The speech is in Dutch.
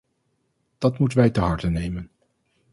Dat moeten wij ter harte nemen.